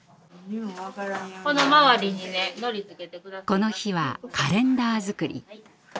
この日はカレンダー作り。